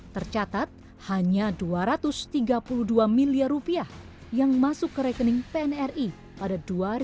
tercatat hanya dua ratus tiga puluh dua miliar rupiah yang masuk ke rekening pnri pada dua ribu dua puluh